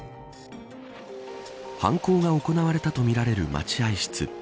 犯行が行われたとみられる待合室。